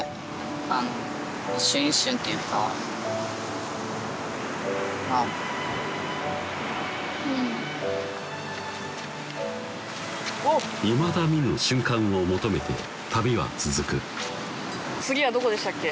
あの一瞬一瞬っていうかまぁうんいまだ見ぬ瞬間を求めて旅は続く次はどこでしたっけ？